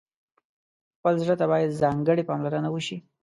خپل زړه ته باید ځانګړې پاملرنه وشي.